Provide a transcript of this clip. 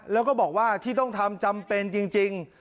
แล้วก็บอกว่าที่ต้องทำจำเป็นจริง